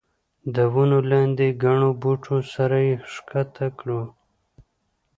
د ونو لاندې ګڼو بوټو سره یې ښکته کړو.